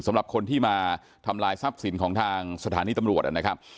สำหรับคนที่มาทำลายทรัพย์สินของทางสถานีตำรวจนะครับ